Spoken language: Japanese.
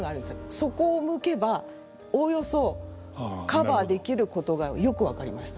そこを向けばおおよそカバーできることがよく分かりました。